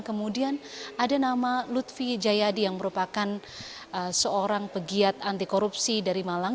kemudian ada nama lutfi jayadi yang merupakan seorang pegiat anti korupsi dari malang